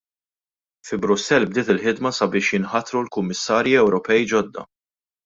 Fi Brussell bdiet il-ħidma sabiex jinħatru l-Kummissarji Ewropej ġodda.